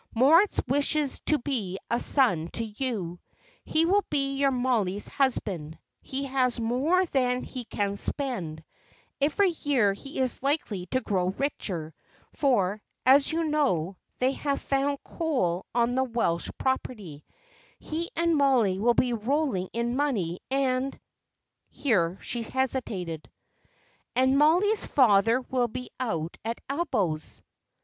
Moritz wishes to be a son to you; he will be your Mollie's husband; he has more than he can spend every year he is likely to grow richer, for, as you know, they have found coal on the Welsh property; he and Mollie will be rolling in money, and " Here she hesitated. "And Mollie's father will be out at elbows.